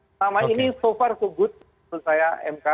pertama ini so far so good menurut saya mk